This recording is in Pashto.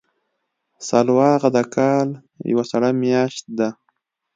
سلواغه د کال یوه سړه میاشت ده.